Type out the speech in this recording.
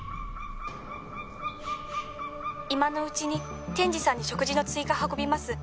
「今のうちに天智さんに食事の追加運びます」